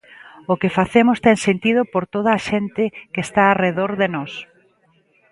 O que facemos ten sentido por toda a xente que está arredor de nós.